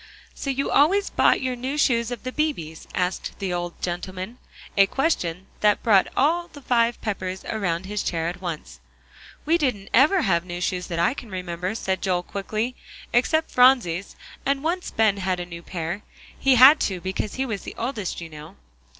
"So you always bought your new shoes of the Beebes?" asked the old gentleman, a question that brought all the five Peppers around his chair at once. "We didn't ever have new shoes that I can remember," said Joel quickly, "except Phronsie's, and once Ben had a new pair. He had to, because he was the oldest, you know."